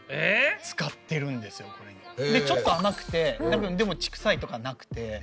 ちょっと甘くてでも血臭いとかはなくて。